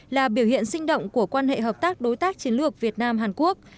là biểu hiện sinh động của quan hệ hợp tác đối tác chiến lược việt nam hàn quốc